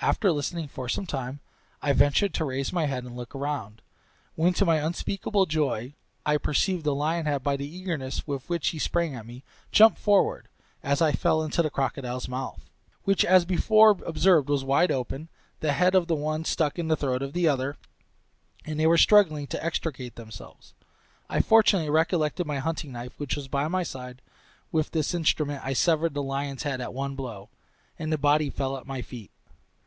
After listening for some time, I ventured to raise my head and look round, when, to my unspeakable joy, I perceived the lion had, by the eagerness with which he sprang at me, jumped forward, as I fell, into the crocodile's mouth! which, as before observed, was wide open; the head of the one stuck in the throat of the other, and they were struggling to extricate themselves. I fortunately recollected my hunting knife which was by my side; with this instrument I severed the lion's head at one blow, and the body fell at my feet!